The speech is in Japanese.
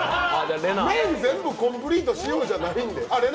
麺、全部コンプリートしようじゃないんですよ。